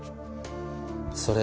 それ